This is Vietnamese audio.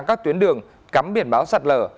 các tuyến đường cắm biển báo sạt lở